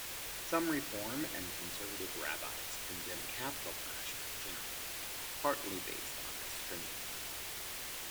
Some Reform and Conservative rabbis condemn capital punishment generally, partly based on this stringency.